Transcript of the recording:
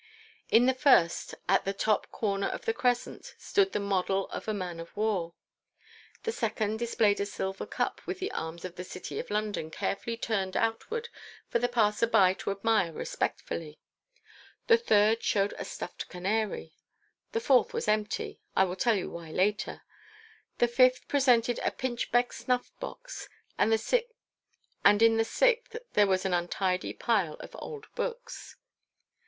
In the first, at the top corner of the crescent, stood the model of a man of war. The second displayed a silver cup with the arms of the City of London carefully turned outward for the passer by to admire respectfully; the third showed a stuffed canary; the fourth was empty—I will tell you why later; the fifth presented a pinchbeck snuff box, and in the sixth there was an untidy pile of old books.